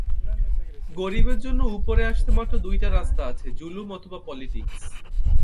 গরীবের জন্য উপরে আসতে মাত্র দুইটা রাস্তা আছে, জুলুম অথবা পলিটিক্স।